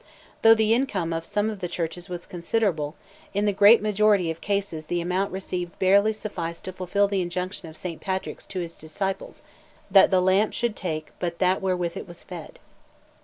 Though the income of some of the churches was considerable, in the great majority of cases the amount received barely sufficed to fulfil the injunction of St. Patrick to his disciples, that "the lamp should take but that wherewith it was fed."